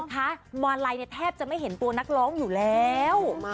คุณคะมลัยแทบจะไม่เห็นตัวนักร้องอยู่แล้ว